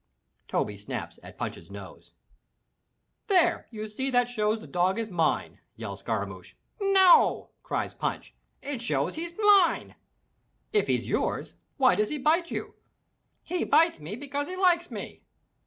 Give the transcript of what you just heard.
Toby snaps at Punch's nose. "There you see that shows the dog is mine!" yells Scaramouch. "No!" cries Punch, "it shows he's mine!" "If he's yours, why does he bite you?" "He bites me because he likes me!"